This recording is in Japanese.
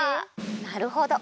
なるほど。